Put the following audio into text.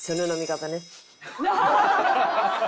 ハハハハ！